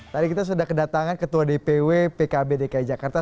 tadi kita sudah kedatangan ketua dpw pkb dki jakarta